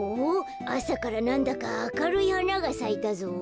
あさからなんだかあかるいはながさいたぞ。